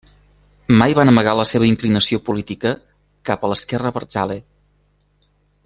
Mai van amagar la seva inclinació política cap a l'esquerra abertzale.